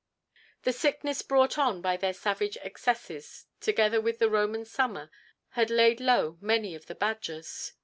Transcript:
The sickness brought on by their savage excesses together with the Roman summer had laid low many of the Badgers.